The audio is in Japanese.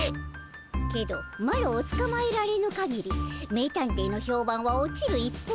けどマロをつかまえられぬかぎり名探偵の評判は落ちる一方。